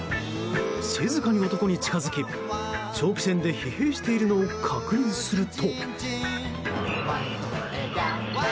静かに男に近づき長期戦で疲弊しているのを確認すると。